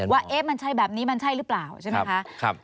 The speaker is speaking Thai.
ว่ามันใช่แบบนี้มันใช่หรือเปล่าใช่ไหมคะ